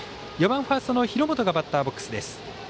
４番ファーストの廣本がバッターボックスです。